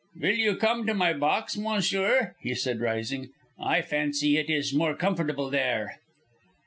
"Will you come to my box, monsieur?" he said, rising. "I fancy it is more comfortable there."